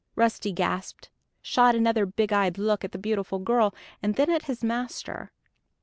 Rusty gasped, shot another big eyed look at the beautiful girl and then at his master.